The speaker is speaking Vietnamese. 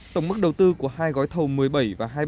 tổng mức đầu tư của hai gói thầu một mươi bảy và hai mươi